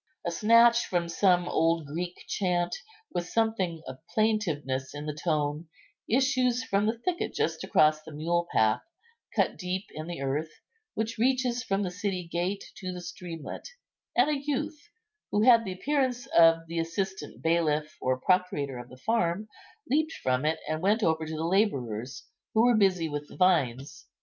A snatch from some old Greek chant, with something of plaintiveness in the tone, issues from the thicket just across the mule path, cut deep in the earth, which reaches from the city gate to the streamlet; and a youth, who had the appearance of the assistant bailiff or procurator of the farm, leaped from it, and went over to the labourers, who were busy with the vines.